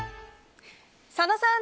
佐野さん